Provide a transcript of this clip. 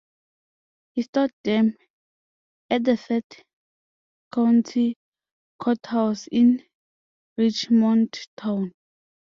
He stored them at the Third County Courthouse in Richmondtown.